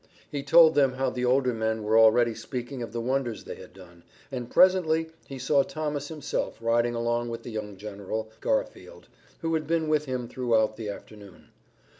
He told them how the older men were already speaking of the wonders they had done, and presently he saw Thomas himself riding along with the young general, Garfield, who had been with him throughout the afternoon.